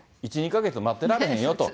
１、２か月、待ってられへんよと。